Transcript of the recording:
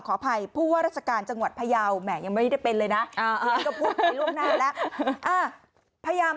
ขออภัยผู้ว่าราชการจังหวัดพระเยาแหมยังไม่ได้เป็นเลยนะพยายาม